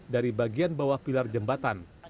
dari bagian bawah pilar jembatan